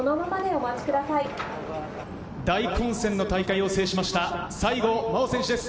大混戦の大会を制しました、西郷真央選手です。